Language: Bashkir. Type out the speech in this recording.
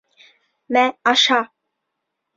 Мә, аша!